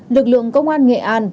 lực lượng công an nghệ an